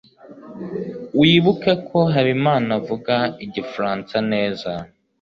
wibuke ko habimana avuga igifaransa neza